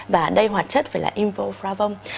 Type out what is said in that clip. và đây hoạt chất phải là invoflavone